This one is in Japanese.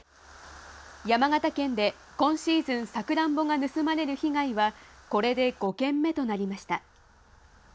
山形県で今シーズン、サクランボが盗まれる被害は、これで５件目となりました。